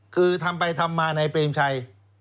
คือทำไปทำมานายเปรมชัย